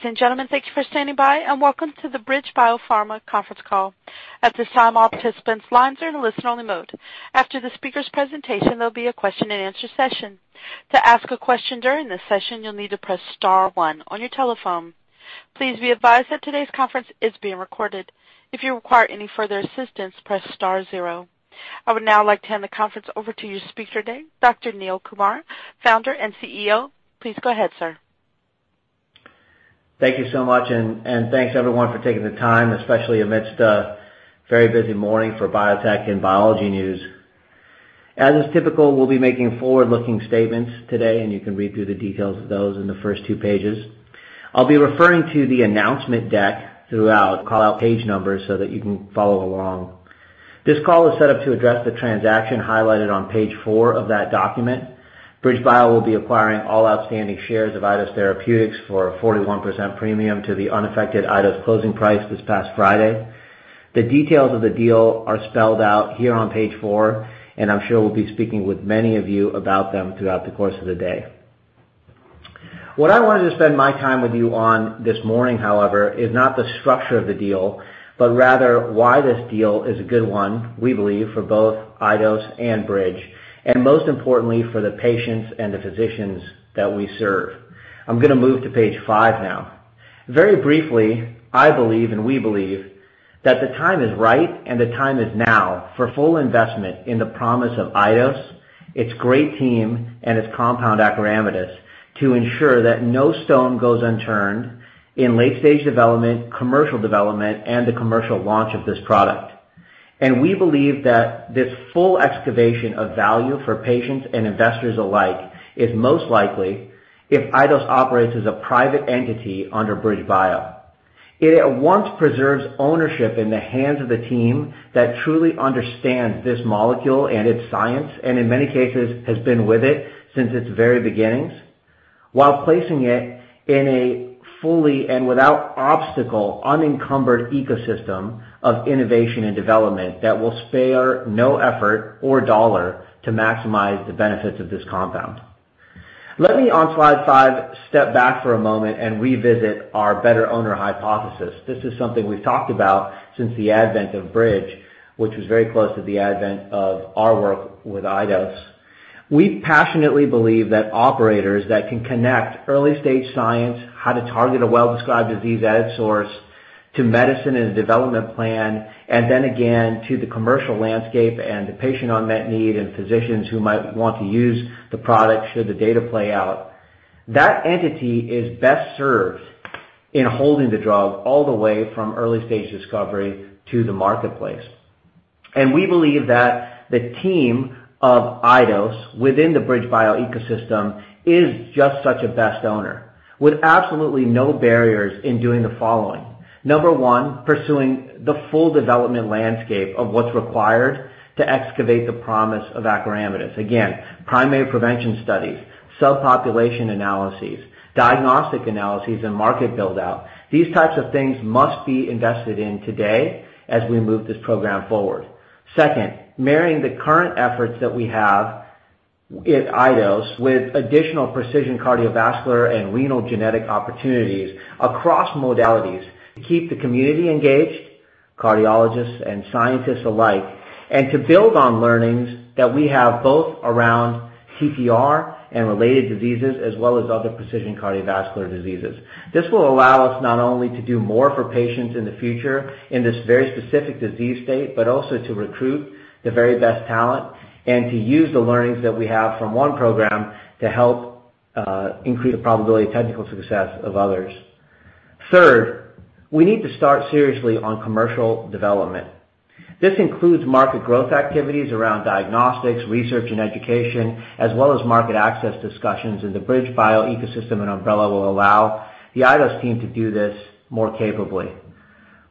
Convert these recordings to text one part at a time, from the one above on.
Ladies and gentlemen, thank you for standing by, and welcome to the BridgeBio Pharma conference call. I would now like to hand the conference over to your speaker today, Dr. Neil Kumar, Founder and Chief Executive Officer. Please go ahead, sir. Thank you so much, and thanks, everyone, for taking the time, especially amidst a very busy morning for biotech and biology news. As is typical, we'll be making forward-looking statements today, and you can read through the details of those in the first two pages. I'll be referring to the announcement deck throughout. Call out page numbers so that you can follow along. This call is set up to address the transaction highlighted on page four of that document. BridgeBio will be acquiring all outstanding shares of Eidos Therapeutics for a 41% premium to the unaffected Eidos closing price this past Friday. The details of the deal are spelled out here on page four, and I'm sure we'll be speaking with many of you about them throughout the course of the day. What I wanted to spend my time with you on this morning, however, is not the structure of the deal, but rather why this deal is a good one, we believe, for both Eidos and Bridge, and most importantly for the patients and the physicians that we serve. I'm going to move to page five now. Very briefly, I believe, and we believe, that the time is right and the time is now for full investment in the promise of Eidos, its great team, and its compound acoramidis to ensure that no stone goes unturned in late-stage development, commercial development, and the commercial launch of this product. We believe that this full excavation of value for patients and investors alike is most likely if Eidos operates as a private entity under BridgeBio. It at once preserves ownership in the hands of the team that truly understands this molecule and its science, and in many cases has been with it since its very beginnings, while placing it in a fully and without obstacle, unencumbered ecosystem of innovation and development that will spare no effort or dollar to maximize the benefits of this compound. Let me, on slide five, step back for a moment and revisit our better owner hypothesis. This is something we've talked about since the advent of Bridge, which was very close to the advent of our work with Eidos. We passionately believe that operators that can connect early-stage science, how to target a well-described disease at its source, to medicine and a development plan, and then again to the commercial landscape and the patient unmet need and physicians who might want to use the product should the data play out. That entity is best served in holding the drug all the way from early stage discovery to the marketplace. We believe that the team of Eidos within the BridgeBio ecosystem is just such a best owner with absolutely no barriers in doing the following. Number one, pursuing the full development landscape of what's required to excavate the promise of acoramidis. Again, primary prevention studies, subpopulation analyses, diagnostic analyses, and market build-out. These types of things must be invested in today as we move this program forward. Second, marrying the current efforts that we have at Eidos with additional precision cardiovascular and renal genetic opportunities across modalities to keep the community engaged, cardiologists and scientists alike, and to build on learnings that we have both around TTR and related diseases as well as other precision cardiovascular diseases. This will allow us not only to do more for patients in the future in this very specific disease state, but also to recruit the very best talent and to use the learnings that we have from one program to help increase the probability of technical success of others. We need to start seriously on commercial development. This includes market growth activities around diagnostics, research, and education, as well as market access discussions in the BridgeBio ecosystem. Umbrella will allow the Eidos team to do this more capably.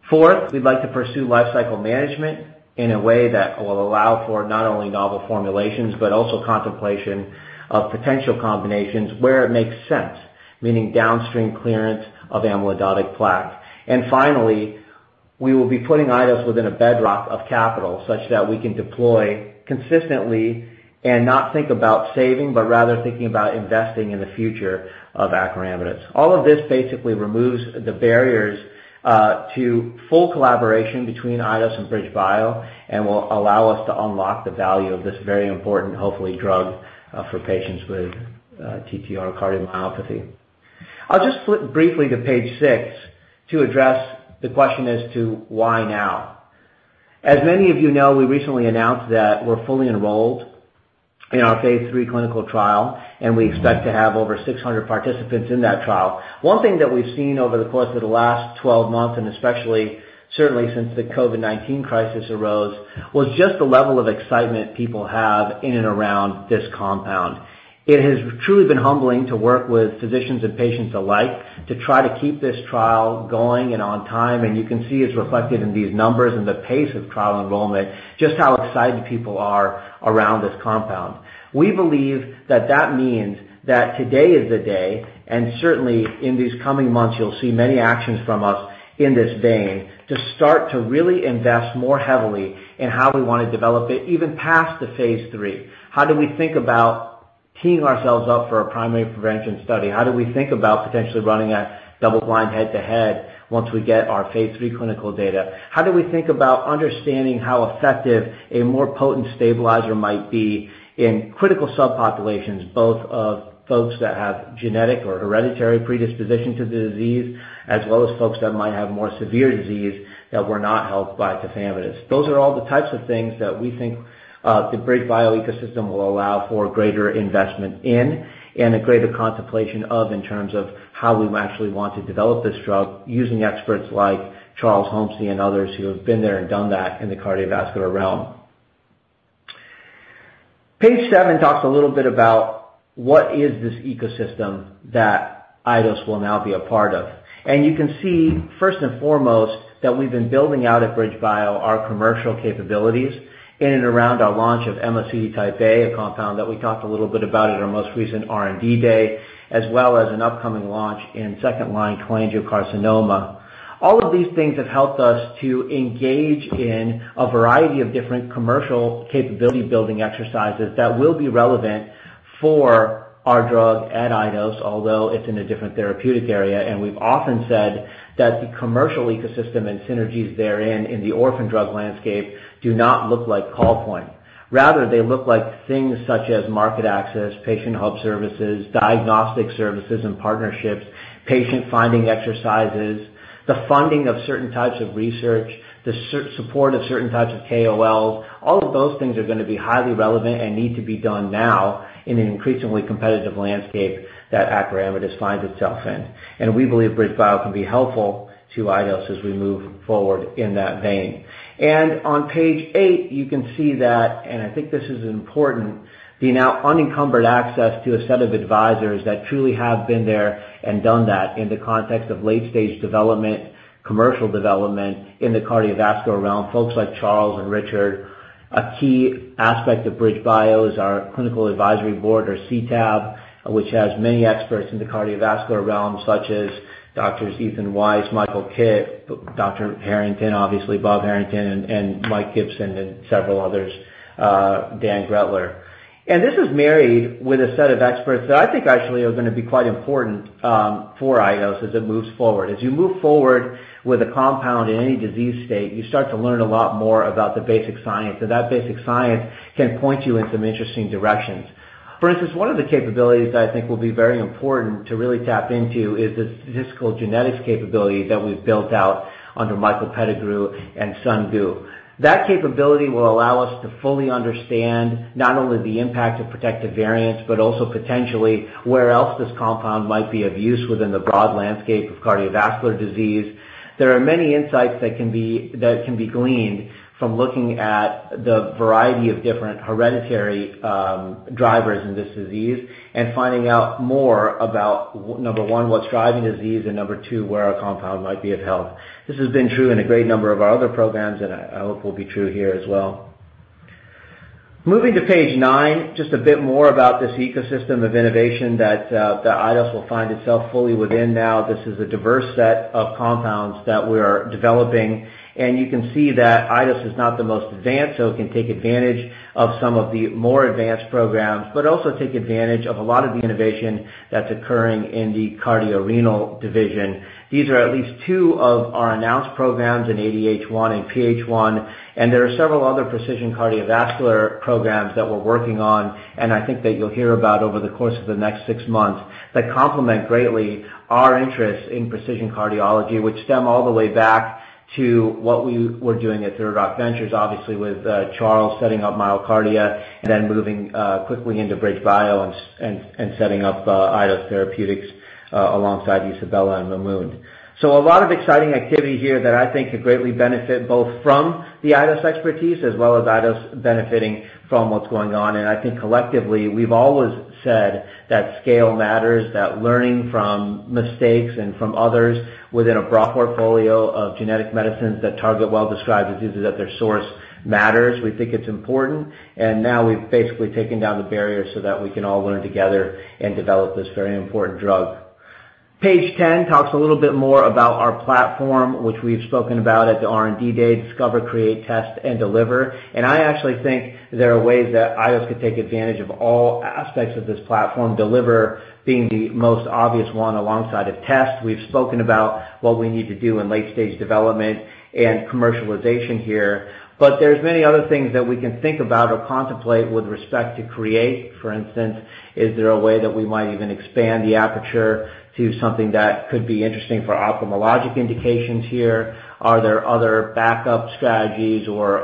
We'd like to pursue life cycle management in a way that will allow for not only novel formulations but also contemplation of potential combinations where it makes sense, meaning downstream clearance of amyloidotic plaque. Finally, we will be putting Eidos within a bedrock of capital such that we can deploy consistently and not think about saving, but rather thinking about investing in the future of acoramidis. All of this basically removes the barriers to full collaboration between Eidos and BridgeBio and will allow us to unlock the value of this very important, hopefully, drug for patients with TTR cardiomyopathy. I'll just flip briefly to page six to address the question as to why now. As many of you know, we recently announced that we're fully enrolled in our phase III clinical trial, and we expect to have over 600 participants in that trial. One thing that we've seen over the course of the last 12 months, and especially certainly since the COVID-19 crisis arose, was just the level of excitement people have in and around this compound. It has truly been humbling to work with physicians and patients alike to try to keep this trial going and on time. You can see it's reflected in these numbers and the pace of trial enrollment, just how excited people are around this compound. We believe that that means that today is the day, certainly in these coming months, you'll see many actions from us in this vein to start to really invest more heavily in how we want to develop it even past the phase III. How do we Teeing ourselves up for a primary prevention study. How do we think about potentially running a double-blind head-to-head once we get our phase III clinical data? How do we think about understanding how effective a more potent stabilizer might be in critical subpopulations, both of folks that have genetic or hereditary predisposition to the disease, as well as folks that might have more severe disease that were not helped by tafamidis? Those are all the types of things that we think the BridgeBio ecosystem will allow for greater investment in and a greater contemplation of in terms of how we actually want to develop this drug using experts like Charles Homcy and others who have been there and done that in the cardiovascular realm. Page seven talks a little bit about what is this ecosystem that Eidos will now be a part of. You can see, first and foremost, that we've been building out at BridgeBio our commercial capabilities in and around our launch of MoCD Type A, a compound that we talked a little bit about at our most recent R&D day, as well as an upcoming launch in second-line cholangiocarcinoma. All of these things have helped us to engage in a variety of different commercial capability building exercises that will be relevant for our drug at Eidos, although it's in a different therapeutic area. We've often said that the commercial ecosystem and synergies therein in the orphan drug landscape do not look like Call Point. Rather, they look like things such as market access, patient hub services, diagnostic services and partnerships, patient finding exercises, the funding of certain types of research, the support of certain types of KOLs. All of those things are going to be highly relevant and need to be done now in an increasingly competitive landscape that acoramidis finds itself in. We believe BridgeBio can be helpful to Eidos as we move forward in that vein. On page eight, you can see that, I think this is important, the now unencumbered access to a set of advisors that truly have been there and done that in the context of late-stage development, commercial development in the cardiovascular realm. Folks like Charles and Richard. A key aspect of BridgeBio is our clinical advisory board, or CTAB, which has many experts in the cardiovascular realm, such as Drs. Ethan Weiss, Michael Kitt, Dr. Harrington, obviously, Bob Harrington, and Mike Gibson, and several others, Dan Gretler. This is married with a set of experts that I think actually are going to be quite important for Eidos as it moves forward. As you move forward with a compound in any disease state, you start to learn a lot more about the basic science, and that basic science can point you in some interesting directions. For instance, one of the capabilities that I think will be very important to really tap into is the statistical genetics capability that we've built out under Michael Pettigrew and Sung-Chun Gu. That capability will allow us to fully understand not only the impact of protective variants, but also potentially where else this compound might be of use within the broad landscape of cardiovascular disease. There are many insights that can be gleaned from looking at the variety of different hereditary drivers in this disease and finding out more about, number one, what's driving disease, and number two, where our compound might be of help. This has been true in a great number of our other programs, and I hope will be true here as well. Moving to page nine, just a bit more about this ecosystem of innovation that Eidos will find itself fully within now. This is a diverse set of compounds that we're developing. You can see that Eidos is not the most advanced, so it can take advantage of some of the more advanced programs, but also take advantage of a lot of the innovation that's occurring in the cardiorenal division. These are at least two of our announced programs in ADH1 and PH1. There are several other precision cardiovascular programs that we're working on and I think that you'll hear about over the course of the next six months that complement greatly our interest in precision cardiology, which stem all the way back to what we were doing at Third Rock Ventures, obviously with Charles setting up MyoKardia and then moving quickly into BridgeBio and setting up Eidos Therapeutics alongside Isabella and Ramun. A lot of exciting activity here that I think could greatly benefit both from the Eidos expertise as well as Eidos benefiting from what's going on. I think collectively, we've always said that scale matters, that learning from mistakes and from others within a broad portfolio of genetic medicines that target well-described diseases at their source matters. We think it's important. Now we've basically taken down the barriers so that we can all learn together and develop this very important drug. Page 10 talks a little bit more about our platform, which we've spoken about at the R&D Day, discover, create, test, and deliver. I actually think there are ways that iDos could take advantage of all aspects of this platform, deliver being the most obvious one alongside of test. We've spoken about what we need to do in late-stage development and commercialization here. There's many other things that we can think about or contemplate with respect to create. For instance, is there a way that we might even expand the aperture to something that could be interesting for ophthalmologic indications here? Are there other backup strategies or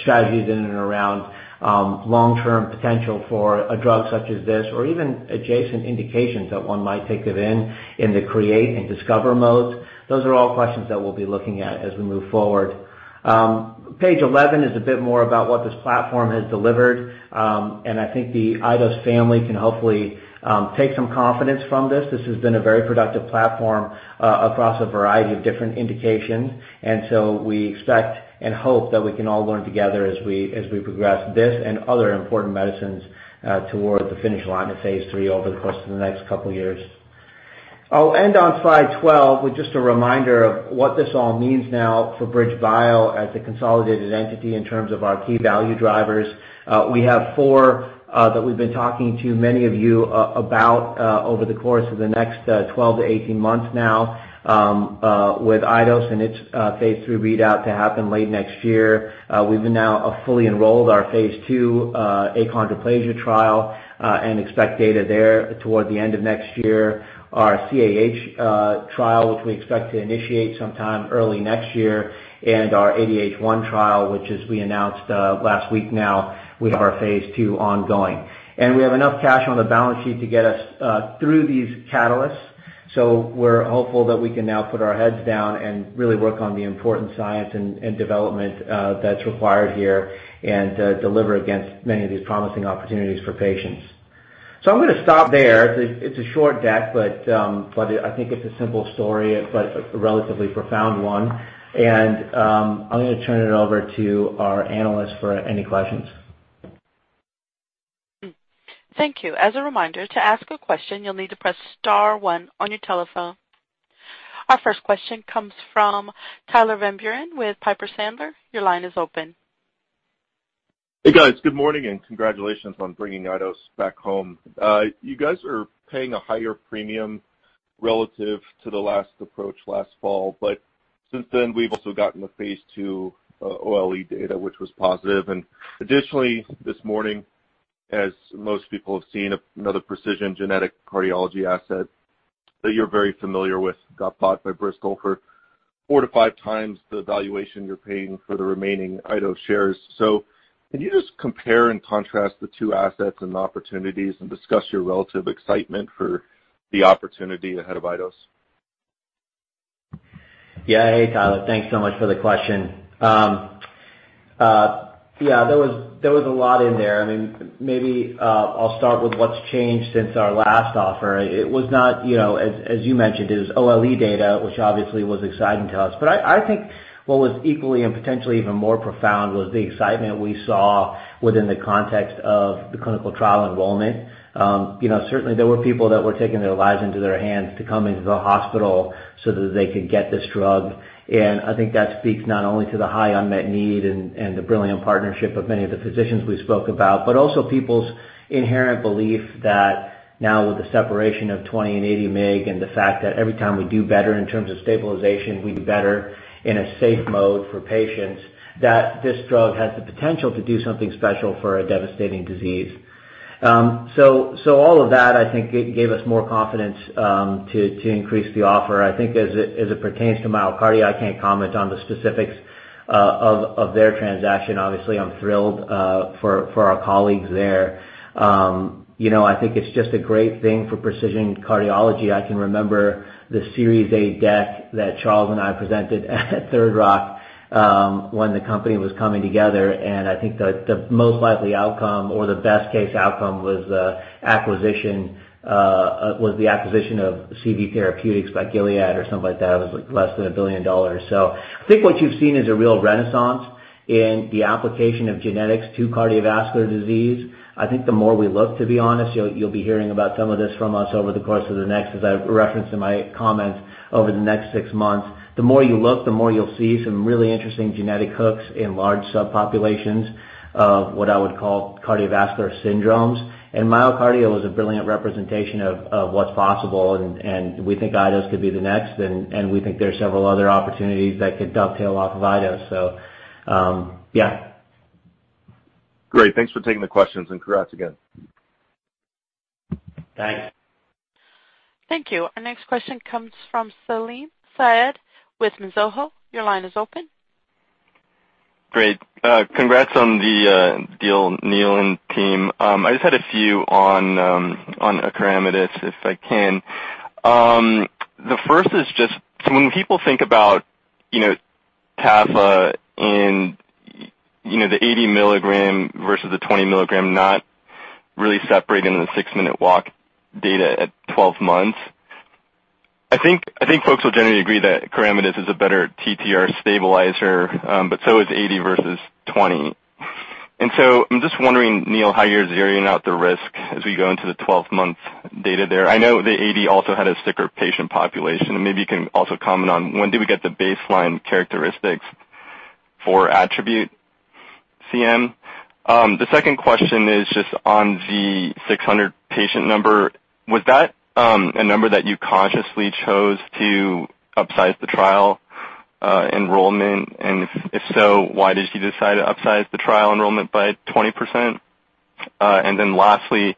strategies in and around long-term potential for a drug such as this, or even adjacent indications that one might take it in the create and discover modes? Those are all questions that we'll be looking at as we move forward. Page 11 is a bit more about what this platform has delivered. And I think the Eidos family can hopefully take some confidence from this. This has been a very productive platform across a variety of different indications, and so we expect and hope that we can all learn together as we progress this and other important medicines toward the finish line of phase III over the course of the next couple of years. I'll end on slide 12 with just a reminder of what this all means now for BridgeBio as a consolidated entity in terms of our key value drivers. We have four that we've been talking to many of you about over the course of the next 12 - 18 months now with Eidos and its Phase II readout to happen late next year. We've now fully enrolled our Phase II achondroplasia trial and expect data there toward the end of next year. Our CAH trial, which we expect to initiate sometime early next year, and our ADH1 trial, which as we announced last week now, we have our Phase II ongoing. We have enough cash on the balance sheet to get us through these catalysts. We're hopeful that we can now put our heads down and really work on the important science and development that's required here and deliver against many of these promising opportunities for patients. I'm going to stop there. It's a short deck, but I think it's a simple story, but a relatively profound one. I'm going to turn it over to our analyst for any questions. Thank you. As a reminder, to ask a question, you'll need to press star one on your telephone. Our first question comes from Tyler Van Buren with Piper Sandler. Your line is open. Hey, guys. Good morning, and congratulations on bringing Eidos back home. You guys are paying a higher premium relative to the last approach last fall. Since then, we've also gotten the phase II OLE data, which was positive. Additionally, this morning, as most people have seen, another precision genetic cardiology asset that you're very familiar with got bought by Bristol for 4x-5x the valuation you're paying for the remaining Eidos shares. Can you just compare and contrast the two assets and opportunities and discuss your relative excitement for the opportunity ahead of Eidos? Yeah. Hey, Tyler. Thanks so much for the question. Yeah, there was a lot in there. Maybe I'll start with what's changed since our last offer. As you mentioned, it was OLE data, which obviously was exciting to us. I think what was equally and potentially even more profound was the excitement we saw within the context of the clinical trial enrollment. Certainly, there were people that were taking their lives into their hands to come into the hospital so that they could get this drug, and I think that speaks not only to the high unmet need and the brilliant partnership of many of the physicians we spoke about, but also people's inherent belief that now with the separation of 20 and 80 mg and the fact that every time we do better in terms of stabilization, we do better in a safe mode for patients, that this drug has the potential to do something special for a devastating disease. All of that, I think, gave us more confidence to increase the offer. I think as it pertains to MyoKardia, I can't comment on the specifics of their transaction. Obviously, I'm thrilled for our colleagues there. I think it's just a great thing for Precision Cardiology. I can remember the Series A deck that Charles Homcy and I presented at Third Rock when the company was coming together, and I think the most likely outcome or the best case outcome was the acquisition of CV Therapeutics by Gilead or something like that. It was less than $1 billion. I think what you've seen is a real renaissance in the application of genetics to cardiovascular disease. I think the more we look, to be honest, you'll be hearing about some of this from us over the course of the next, as I referenced in my comments, over the next six months. The more you look, the more you'll see some really interesting genetic hooks in large subpopulations of what I would call cardiovascular syndromes. MyoKardia was a brilliant representation of what's possible, and we think Eidos could be the next, and we think there are several other opportunities that could dovetail off of Eidos. Yeah. Great. Thanks for taking the questions, and congrats again. Thanks. Thank you. Our next question comes from Salim Syed with Mizuho. Your line is open. Great. Congrats on the deal, Neil and team. I just had a few on acoramidis, if I can. The first is just so when people think about tafamidis and the 80 mg versus the 20 mg not really separating the six-minute walk data at 12 months. I think folks will generally agree that acoramidis is a better TTR stabilizer, but so is 80 versus 20. I'm just wondering, Neil, how you're zeroing out the risk as we go into the 12-month data there. I know the 80 also had a sicker patient population, and maybe you can also comment on when do we get the baseline characteristics for ATTRibute-CM. The second question is just on the 600 patient number. Was that a number that you consciously chose to upsize the trial enrollment? Why did you decide to upsize the trial enrollment by 20%? Lastly,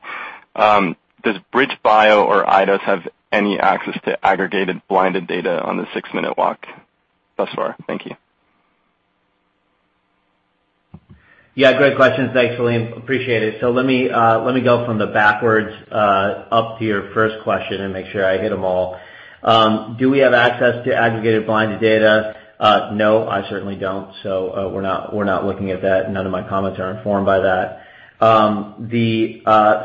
does BridgeBio or iDos have any access to aggregated blinded data on the six-minute walk thus far? Thank you. Great questions. Thanks, Salim. Appreciate it. Let me go from the backwards up to your first question and make sure I hit them all. Do we have access to aggregated blinded data? No, I certainly don't. We're not looking at that. None of my comments are informed by that. The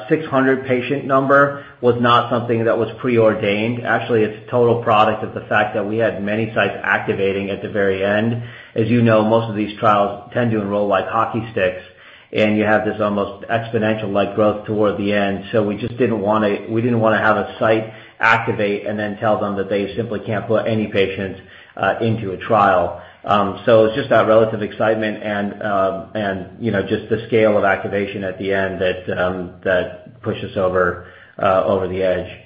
600 patient number was not something that was preordained. Actually, it's a total product of the fact that we had many sites activating at the very end. As you know, most of these trials tend to enroll like hockey sticks, and you have this almost exponential growth toward the end. We just didn't want to have a site activate and then tell them that they simply can't put any patients into a trial. It's just that relative excitement and just the scale of activation at the end that pushed us over the edge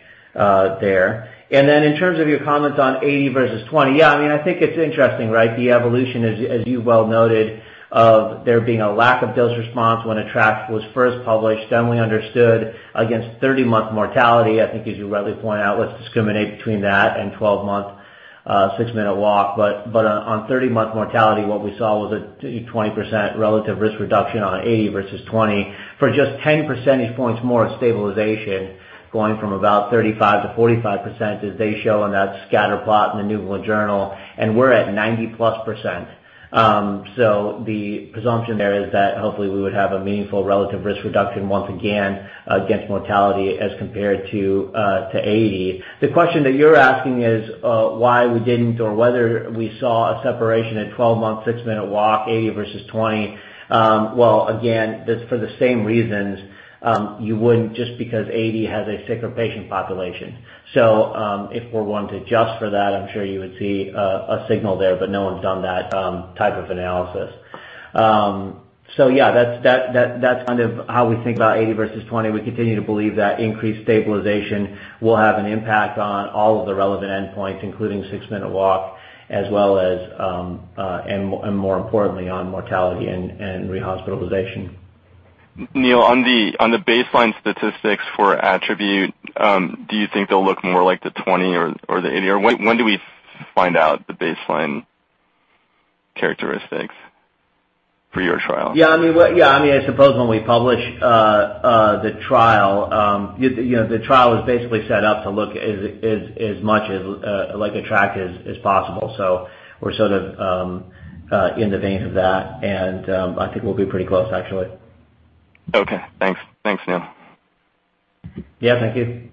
there. In terms of your comments on 80 versus 20, I think it's interesting, right? The evolution, as you well noted, of there being a lack of dose response when ATTRACT was first published, then we understood against 30-month mortality, I think, as you rightly point out, let's discriminate between that and 12-month six-minute walk. On 30-month mortality, what we saw was a 20% relative risk reduction on 80 versus 20 for just 10 percentage points more of stabilization, going from about 35% - 45%, as they show on that scatter plot in The New England Journal of Medicine, and we're at 90-plus%. The presumption there is that hopefully we would have a meaningful relative risk reduction once again against mortality as compared to 80. The question that you're asking is why we didn't, or whether we saw a separation in 12-month six-minute walk, 80 versus 20. Well, again, for the same reasons, you wouldn't just because 80 has a sicker patient population. If we're going to adjust for that, I'm sure you would see a signal there, but no one's done that type of analysis. That's how we think about 80 versus 20. We continue to believe that increased stabilization will have an impact on all of the relevant endpoints, including six-minute walk, as well as, and more importantly, on mortality and rehospitalization. Neil, on the baseline statistics for ATTRibute-CM, do you think they'll look more like the 20 or the 80? When do we find out the baseline characteristics for your trial? I suppose when we publish the trial. The trial was basically set up to look as much as like ATTRACT as possible. We're in the vein of that, and I think we'll be pretty close, actually. Okay. Thanks, Neil. Yeah, thank you.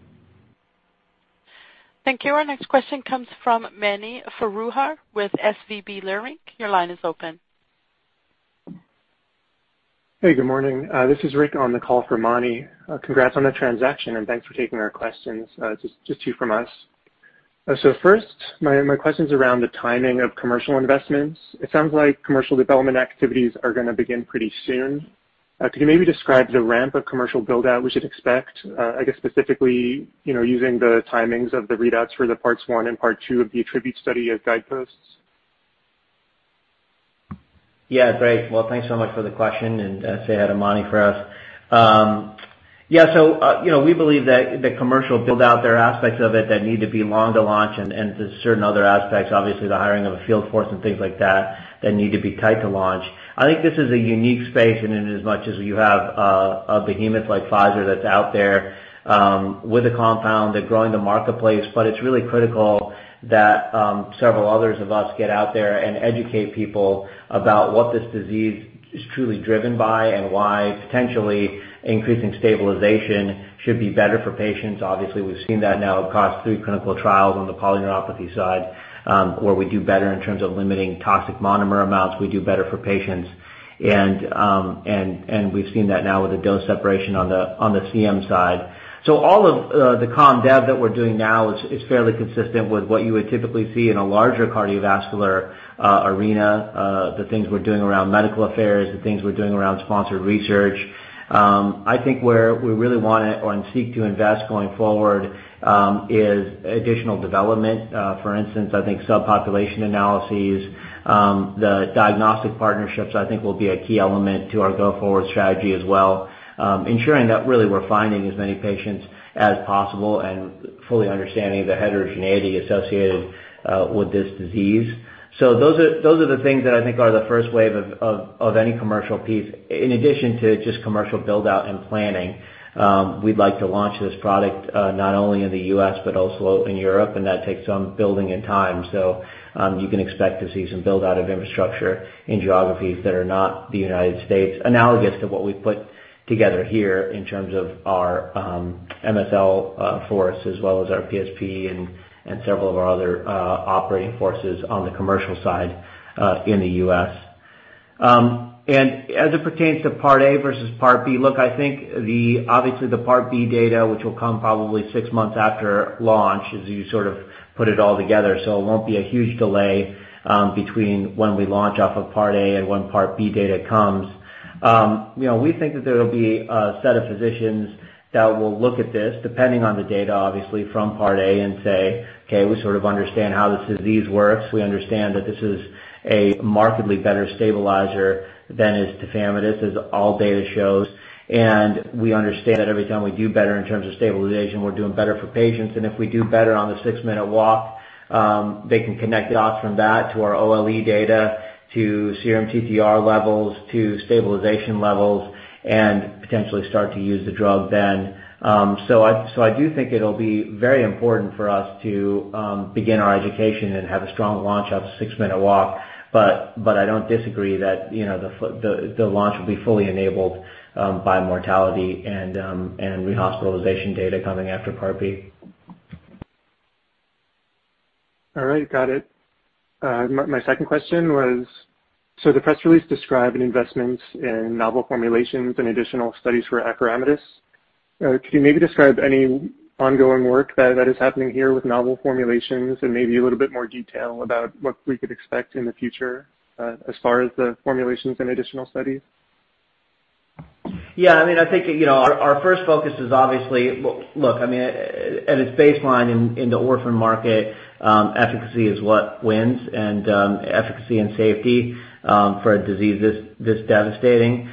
Thank you. Our next question comes from Mani Foroohar with SVB Leerink. Your line is open. Hey, good morning. This is Rick on the call for Manny. Congrats on the transaction, and thanks for taking our questions. Just two from us. First, my question's around the timing of commercial investments. It sounds like commercial development activities are going to begin pretty soon. Could you maybe describe the ramp of commercial build-out we should expect? I guess specifically, using the timings of the readouts for the parts one and part two of the ATTRibute-CM study as guideposts. Yeah, great. Well, thanks so much for the question, and say hi to Mani for us. We believe that the commercial build out, there are aspects of it that need to be long to launch and the certain other aspects, obviously the hiring of a field force and things like that need to be tight to launch. I think this is a unique space in as much as you have a behemoth like Pfizer that's out there with a compound. They're growing the marketplace. It's really critical that several others of us get out there and educate people about what this disease is truly driven by and why potentially increasing stabilization should be better for patients. Obviously, we've seen that now across three clinical trials on the polyneuropathy side, where we do better in terms of limiting toxic monomer amounts. We do better for patients. We've seen that now with the dose separation on the CM side. All of the com dev that we're doing now is fairly consistent with what you would typically see in a larger cardiovascular arena. The things we're doing around medical affairs, the things we're doing around sponsored research. I think where we really want to or seek to invest going forward is additional development. For instance, I think subpopulation analyses. The diagnostic partnerships, I think, will be a key element to our go-forward strategy as well, ensuring that really we're finding as many patients as possible and fully understanding the heterogeneity associated with this disease. Those are the things that I think are the first wave of any commercial piece. In addition to just commercial build-out and planning, we'd like to launch this product not only in the U.S. but also in Europe, that takes some building and time. You can expect to see some build-out of infrastructure in geographies that are not the United States, analogous to what we've put together here in terms of our MSL force, as well as our PSP and several of our other operating forces on the commercial side in the U.S. As it pertains to Part A versus Part B, look, I think obviously the Part B data, which will come probably six months after launch, as you put it all together. It won't be a huge delay between when we launch off of Part A and when Part B data comes. We think that there will be a set of physicians that will look at this, depending on the data, obviously, from Part A and say, "Okay, we understand how this disease works." We understand that this is a markedly better stabilizer than is tafamidis, as all data shows. We understand that every time we do better in terms of stabilization, we're doing better for patients. If we do better on the six-minute walk, they can connect the dots from that to our OLE data, to CrMTTR levels, to stabilization levels, and potentially start to use the drug then. I do think it'll be very important for us to begin our education and have a strong launch of six-minute walk. I don't disagree that the launch will be fully enabled by mortality and rehospitalization data coming after Part B. All right, got it. My second question was, the press release described an investment in novel formulations and additional studies for acoramidis. Could you maybe describe any ongoing work that is happening here with novel formulations and maybe a little bit more detail about what we could expect in the future as far as the formulations and additional studies? Yeah. I think, our first focus is, look, at its baseline in the orphan market, efficacy is what wins, and efficacy and safety for a disease this devastating.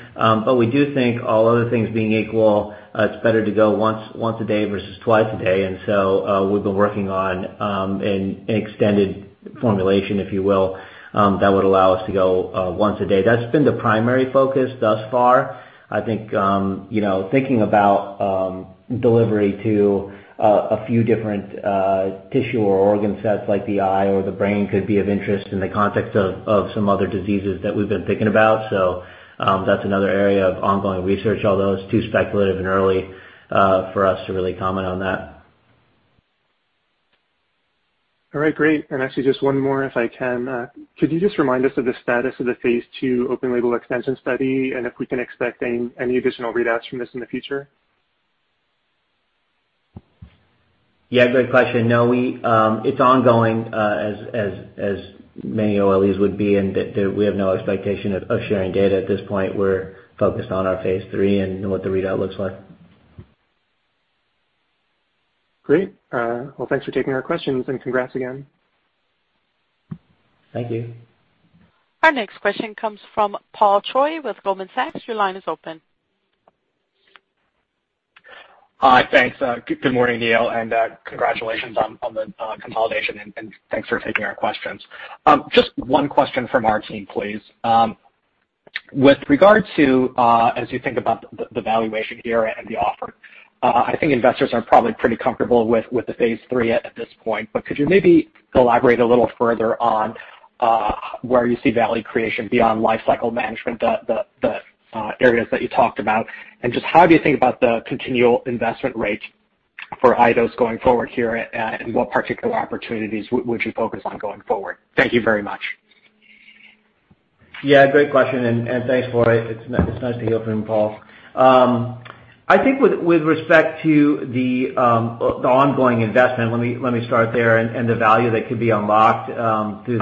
We do think all other things being equal, it's better to go once a day versus twice a day. We've been working on an extended formulation, if you will, that would allow us to go once a day. That's been the primary focus thus far. I think, thinking about delivery to a few different tissue or organ sets like the eye or the brain could be of interest in the context of some other diseases that we've been thinking about. That's another area of ongoing research, although it's too speculative and early for us to really comment on that. All right, great. Actually, just one more if I can. Could you just remind us of the status of the phase II open label extension study and if we can expect any additional readouts from this in the future? Yeah, great question. No, it's ongoing, as many OLEs would be, and we have no expectation of sharing data at this point. We're focused on our phase III and what the readout looks like. Great. Well, thanks for taking our questions and congrats again. Thank you. Our next question comes from Paul Choi with Goldman Sachs. Your line is open. Hi. Thanks. Good morning, Neil, and congratulations on the consolidation, and thanks for taking our questions. Just one question from our team, please. With regard to, as you think about the valuation here and the offer, I think investors are probably pretty comfortable with the phase III at this point, but could you maybe elaborate a little further on where you see value creation beyond lifecycle management, the areas that you talked about? Just how do you think about the continual investment rate for Eidos going forward here, and what particular opportunities would you focus on going forward? Thank you very much. Yeah, great question and thanks for it. It's nice to hear from you, Paul. I think with respect to the ongoing investment, let me start there, and the value that could be unlocked through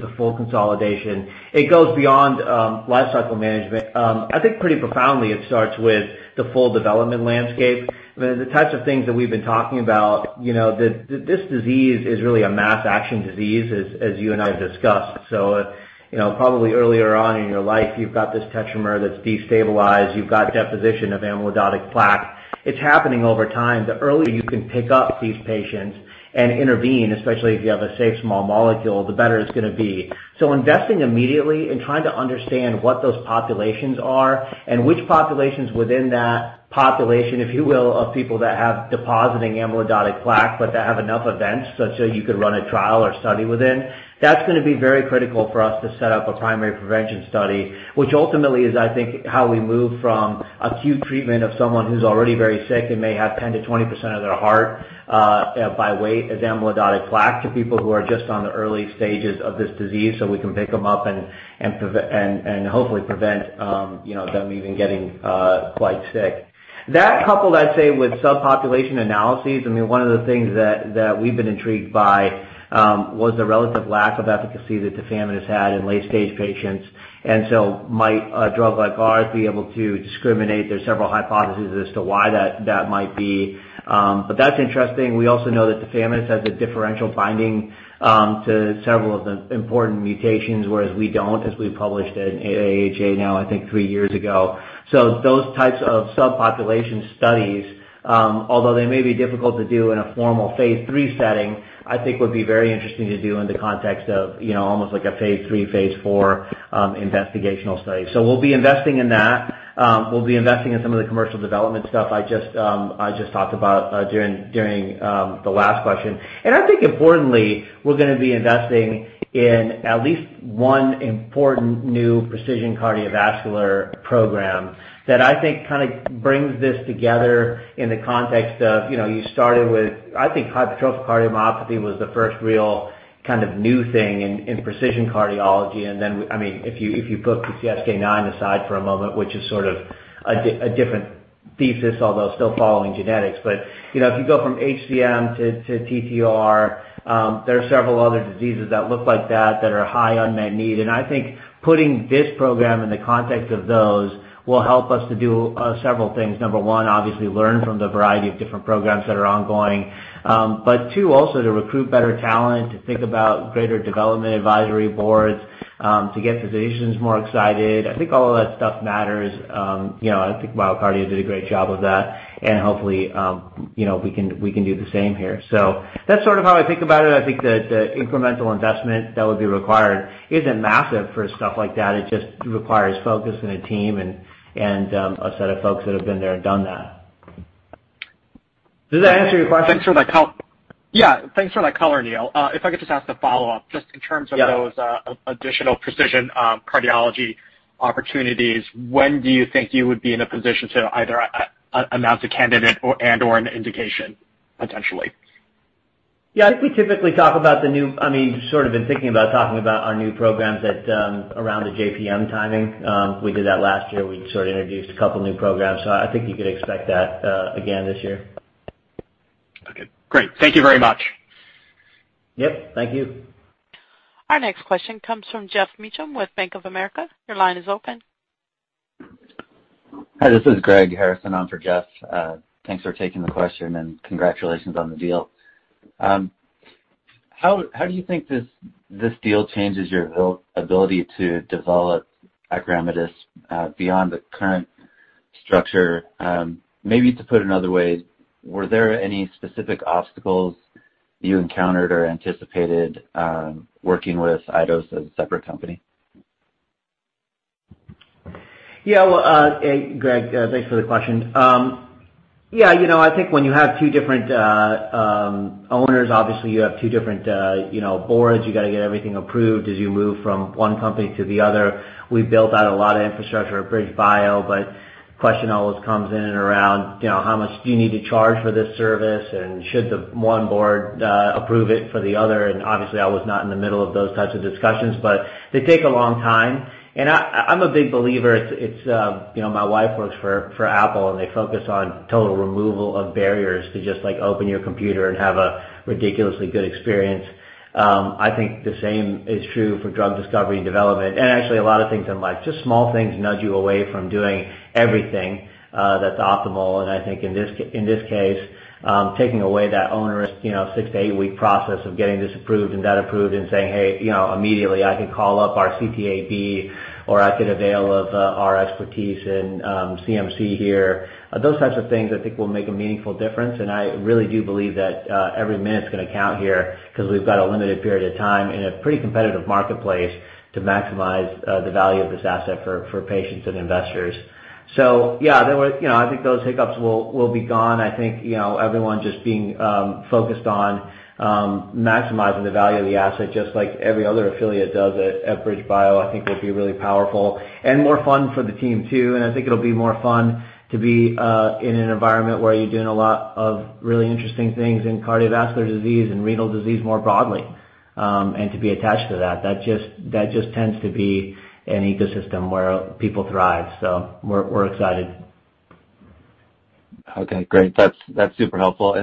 the full consolidation. It goes beyond lifecycle management. I think pretty profoundly, it starts with the full development landscape. The types of things that we've been talking about. This disease is really a mass action disease, as you and I have discussed. Probably earlier on in your life, you've got this tetramer that's destabilized. You've got deposition of amyloidotic plaque. It's happening over time. The earlier you can pick up these patients and intervene, especially if you have a safe small molecule, the better it's going to be. Investing immediately in trying to understand what those populations are and which populations within that population, if you will, of people that have depositing amyloidotic plaque, but that have enough events such that you could run a trial or study within, that's going to be very critical for us to set up a primary prevention study, which ultimately is, I think, how we move from acute treatment of someone who's already very sick and may have 10%-20% of their heart, by weight, as amyloidotic plaque, to people who are just on the early stages of this disease, so we can pick them up and hopefully prevent them even getting quite sick. That coupled, I'd say, with subpopulation analyses. One of the things that we've been intrigued by was the relative lack of efficacy that tafamidis had in late-stage patients. Might a drug like ours be able to discriminate? There's several hypotheses as to why that might be. That's interesting. We also know that tafamidis has a differential binding to several of the important mutations, whereas we don't, as we published at AHA now, I think three years ago. Those types of subpopulation studies, although they may be difficult to do in a formal phase III setting, I think would be very interesting to do in the context of almost like a phase III, phase IV investigational study. We'll be investing in that. We'll be investing in some of the commercial development stuff I just talked about during the last question. I think importantly, we're going to be investing in at least one important new precision cardiovascular program that I think brings this together in the context of, you started with, I think hypertrophic cardiomyopathy was the first real kind of new thing in precision cardiology. Then, if you put PCSK9 aside for a moment, which is sort of a different thesis, although still following genetics. If you go from HCM to TTR, there are several other diseases that look like that are high unmet need. I think putting this program in the context of those will help us to do several things. Number one, obviously learn from the variety of different programs that are ongoing. Two, also to recruit better talent, to think about greater development advisory boards, to get physicians more excited. I think all of that stuff matters. I think MyoKardia did a great job of that, and hopefully, we can do the same here. That's sort of how I think about it. I think that the incremental investment that would be required isn't massive for stuff like that. It just requires focus and a team and a set of folks that have been there and done that. Did that answer your question? Yeah. Thanks for that color, Neil. If I could just ask a follow-up, just in terms of- Yeah those additional precision cardiology opportunities, when do you think you would be in a position to either announce a candidate and/or an indication, potentially? Yeah. I think we typically talk about Sort of been thinking about talking about our new programs around the JPM timing. We did that last year. We'd sort of introduced a couple new programs. I think you could expect that again this year. Okay, great. Thank you very much. Yep, thank you. Our next question comes from Geoff Meacham with Bank of America. Your line is open. Hi, this is Greg Harrison on for Geoff. Thanks for taking the question, and congratulations on the deal. How do you think this deal changes your ability to develop acoramidis beyond the current structure? Maybe to put it another way, were there any specific obstacles you encountered or anticipated, working with Eidos as a separate company? Yeah. Well, Greg, thanks for the question. Yeah. I think when you have two different owners, obviously you have two different boards. You got to get everything approved as you move from one company to the other. We built out a lot of infrastructure at BridgeBio. The question always comes in and around, how much do you need to charge for this service? Should the one board approve it for the other? Obviously I was not in the middle of those types of discussions, but they take a long time. I'm a big believer. My wife works for Apple. They focus on total removal of barriers to just open your computer and have a ridiculously good experience. I think the same is true for drug discovery and development and actually a lot of things in life. Just small things nudge you away from doing everything that's optimal. I think in this case, taking away that onerous six - eight-week process of getting this approved and that approved and saying, "Hey," immediately I could call up our CTAD or I could avail of our expertise in CMC here. Those types of things I think will make a meaningful difference. I really do believe that every minute's going to count here because we've got a limited period of time in a pretty competitive marketplace to maximize the value of this asset for patients and investors. Yeah, I think those hiccups will be gone. I think everyone just being focused on maximizing the value of the asset just like every other affiliate does at BridgeBio, I think will be really powerful and more fun for the team too. I think it'll be more fun to be in an environment where you're doing a lot of really interesting things in cardiovascular disease and renal disease more broadly. To be attached to that. That just tends to be an ecosystem where people thrive. We're excited. Okay, great. That's super helpful.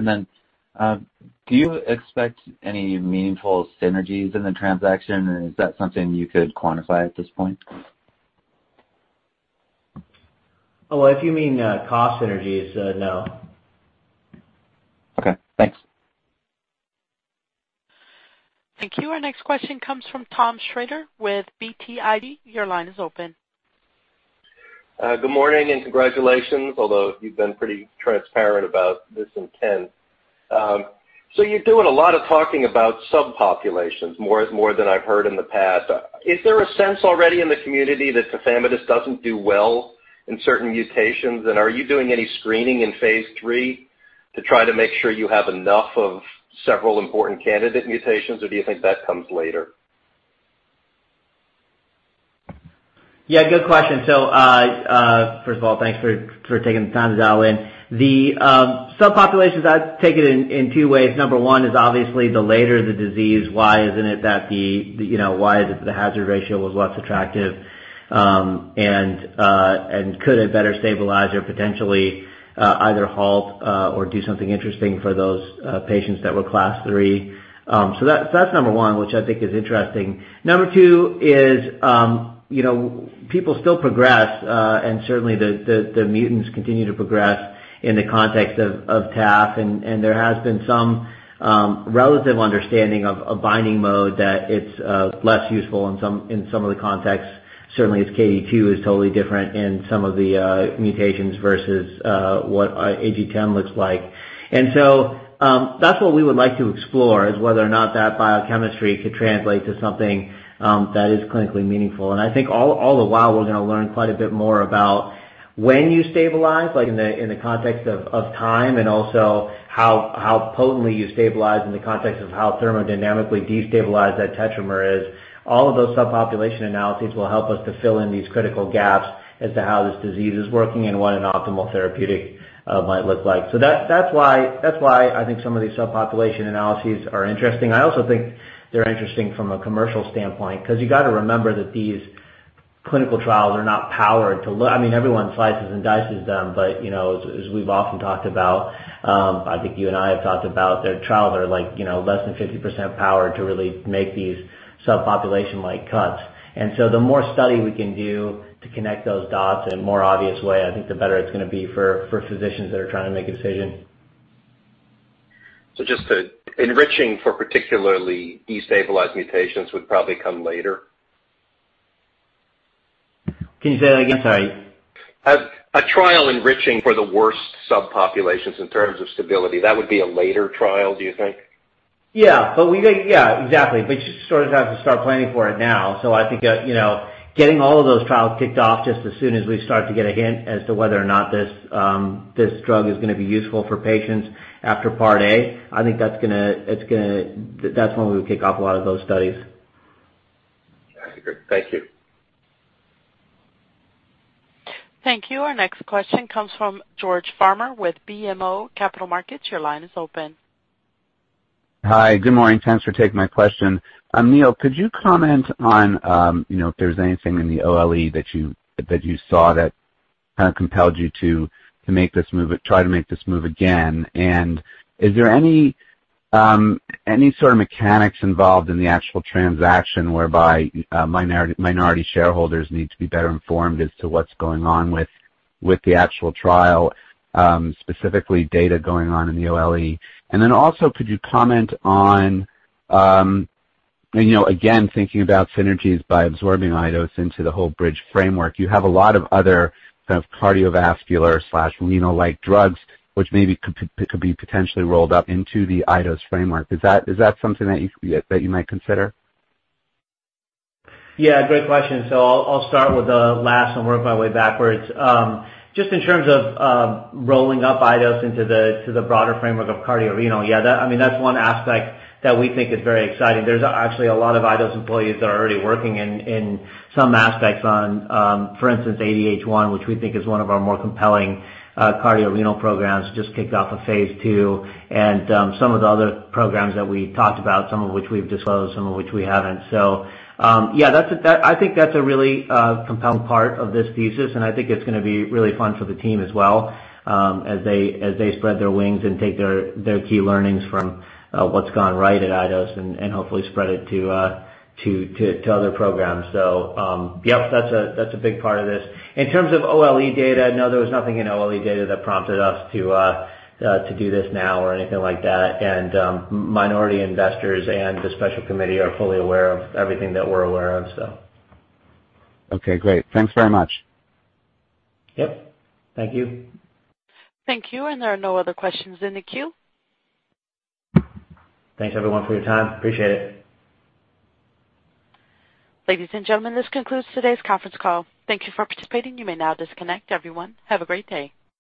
Do you expect any meaningful synergies in the transaction? Is that something you could quantify at this point? Well, if you mean cost synergies, no. Okay, thanks. Thank you. Our next question comes from Thomas Schrader with BTIG. Your line is open. Good morning, congratulations, although you've been pretty transparent about this intent. You're doing a lot of talking about subpopulations, more than I've heard in the past. Is there a sense already in the community that tafamidis doesn't do well in certain mutations? Are you doing any screening in phase III to try to make sure you have enough of several important candidate mutations? Do you think that comes later? Yeah, good question. First of all, thanks for taking the time to dial in. The subpopulations, I take it in two ways. Number one is obviously the later the disease, why isn't it that the hazard ratio was less attractive? Could it better stabilize or potentially either halt or do something interesting for those patients that were class three? That's number one, which I think is interesting. Number two is, people still progress, and certainly the mutants continue to progress in the context of tafamidis and there has been some relative understanding of a binding mode that it's less useful in some of the contexts. Certainly its Kd is totally different in some of the mutations versus what AG10 looks like. That's what we would like to explore, is whether or not that biochemistry could translate to something that is clinically meaningful. I think all the while we're going to learn quite a bit more about when you stabilize, like in the context of time and also how potently you stabilize in the context of how thermodynamically destabilized that tetramer is. All of those subpopulation analyses will help us to fill in these critical gaps as to how this disease is working and what an optimal therapeutic might look like. That's why I think some of these subpopulation analyses are interesting. I also think they're interesting from a commercial standpoint because you got to remember that these clinical trials are not powered to look. Everyone slices and dices them, but as we've often talked about, I think you and I have talked about their trials are less than 50% power to really make these subpopulation-like cuts. The more study we can do to connect those dots in a more obvious way, I think the better it's going to be for physicians that are trying to make a decision. Just to enriching for particularly destabilized mutations would probably come later? Can you say that again? Sorry. A trial enriching for the worst subpopulations in terms of stability, that would be a later trial, do you think? Yeah. Exactly. You sort of have to start planning for it now. I think that getting all of those trials kicked off just as soon as we start to get a hint as to whether or not this drug is going to be useful for patients after Part A, I think that's when we would kick off a lot of those studies. I agree. Thank you. Thank you. Our next question comes from George Farmer with BMO Capital Markets. Your line is open. Hi, good morning. Thanks for taking my question. Neil, could you comment on if there's anything in the OLE that you saw that compelled you to try to make this move again? Is there any sort of mechanics involved in the actual transaction whereby minority shareholders need to be better informed as to what's going on with the actual trial, specifically data going on in the OLE? Also could you comment on, again, thinking about synergies by absorbing Eidos into the whole Bridge framework, you have a lot of other cardiovascular/renal-like drugs which maybe could be potentially rolled up into the Eidos framework. Is that something that you might consider? Yeah, great question. I'll start with the last and work my way backwards. Just in terms of rolling up Eidos into the broader framework of cardiorenal, yeah, that's one aspect that we think is very exciting. There's actually a lot of Eidos employees that are already working in some aspects on, for instance, ADH1, which we think is one of our more compelling cardiorenal programs, just kicked off a phase II, and some of the other programs that we talked about, some of which we've disclosed, some of which we haven't. Yeah, I think that's a really compelling part of this thesis, and I think it's going to be really fun for the team as well, as they spread their wings and take their key learnings from what's gone right at Eidos and hopefully spread it to other programs. Yep, that's a big part of this. In terms of OLE data, no, there was nothing in OLE data that prompted us to do this now or anything like that. Minority investors and the special committee are fully aware of everything that we're aware of. Okay, great. Thanks very much. Yep. Thank you. Thank you, and there are no other questions in the queue. Thanks, everyone, for your time. Appreciate it. Ladies and gentlemen, this concludes today's conference call. Thank you for participating. You may now disconnect. Everyone, have a great day.